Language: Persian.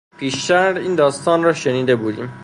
پیشتر این داستان را شنیده بودیم.